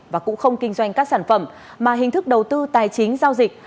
và cũng không kinh doanh các sản phẩm mà hình thức đầu tư tài chính giao dịch